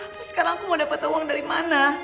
terus sekarang aku mau dapat uang dari mana